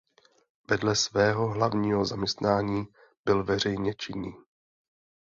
Vedle svého hlavního zaměstnání byl veřejně činný.